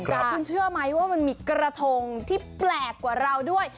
คุณเชื่อไหมว่ามันมีกระทงที่แปลกกว่าเราด้วย